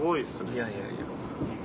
いやいやいや。